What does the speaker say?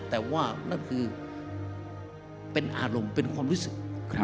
แต่ว่านั่นคือเป็นอารมณ์เป็นความรู้สึก